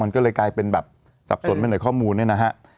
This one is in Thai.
ก็เลยกลายเป็นสอบสวนไปหลายข้อมูล